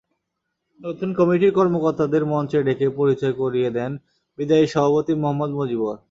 নতুন কমিটির কর্মকর্তাদের মঞ্চে ডেকে পরিচয় করিয়ে দেন বিদায়ী সভাপতি মোহাম্মদ মজিবর।